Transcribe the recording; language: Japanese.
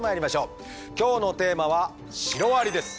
今日のテーマは「シロアリ」です。